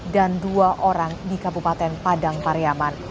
dan dua orang di kabupaten padang pariaman